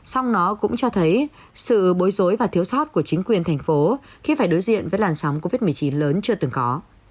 song nó cũng cho thấy sự bối rối và thiếu sót của chính quyền thành phố khi phải đối diện với làn sóng covid một mươi chín lớn chưa từng có